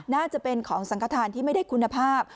น่าจะเป็นของสังขทานที่ไม่ได้คุณภาพ